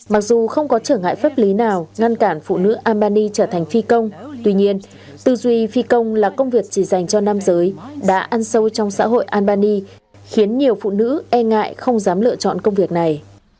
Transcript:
mặc dù không có trở ngại pháp lý nào ngăn cản phụ nữ albany trở thành phi công tuy nhiên tư duy phi công là công việc chỉ dành cho nam giới đã ăn sâu trong xã hội albany khiến nhiều phụ nữ e ngại không dám lựa chọn công việc này